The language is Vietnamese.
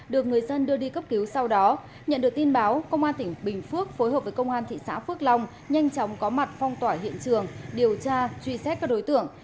được người dân đưa đi cấp cứu sau đó nhận được tin báo công an tỉnh bình phước phối hợp với công an thị xã phước long nhanh chóng có mặt phong tỏa hiện trường điều tra truy xét các đối tượng